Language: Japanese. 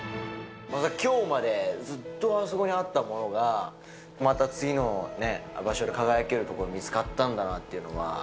きょうまでずっとあそこにあったものが、また次のね、場所で輝ける所が見つかったんだなっていうのは。